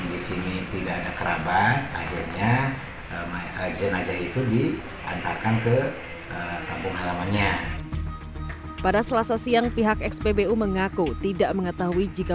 diantarkan ke kampung halamannya pada selasa siang pihak sbbu mengaku tidak mengetahui jika